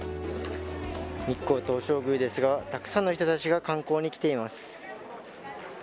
日光東照宮ですが、たくさんの人たちが観光に来ています。